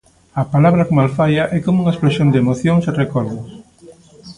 A palabra como alfaia e como unha explosión de emocións e recordos.